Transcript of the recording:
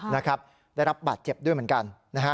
และรับบาดเจ็บด้วยเหมือนกัน